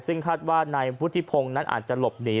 ซึ่งคาดว่านายพุทธิพงศ์นั้นอาจจะหลบหนี